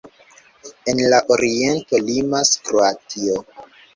En la oriento limas Kroatio.